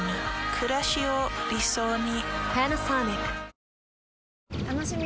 くらしを理想に。